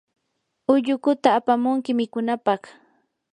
ullukuta apamunki mikunapaq.